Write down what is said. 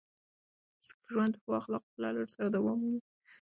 ژوند د ښو اخلاقو په لرلو سره دوام مومي.